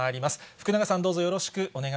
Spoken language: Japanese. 福永さん、どうぞよろしくお願い